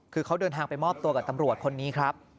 คือเขาเดินทางไปมอบตัวกับตำรวจคนนี้ครับ